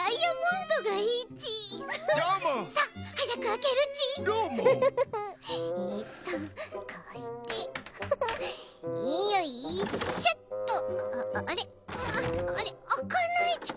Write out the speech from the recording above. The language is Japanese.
あっあれあかないち。